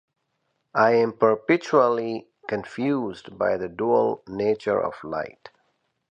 I'm perpetually confused by the dual nature of light.